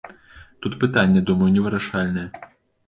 Тут пытанне, думаю, невырашальнае.